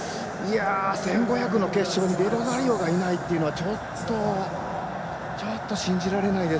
１５００の決勝にデロザリオがいないというのはちょっと信じられないです